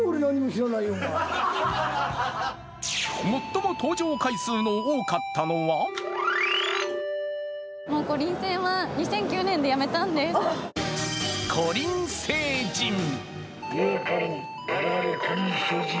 最も登場回数の多かったのはこりん星人。